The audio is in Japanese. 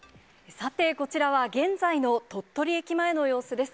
さて、こちらは現在の鳥取駅前の様子です。